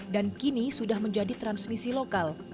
dan kini sudah menjadi transmisi lokal